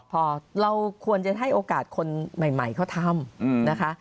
พอเราควรจะให้โอกาสคนใหม่เขาทำนะคะ